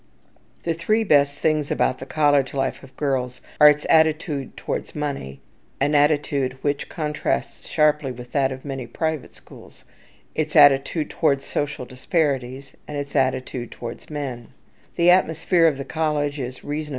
The three best things about the college life of girls are its attitude towards money (an attitude which contrasts sharply with that of many private schools), its attitude towards social disparities, and its attitude towards men.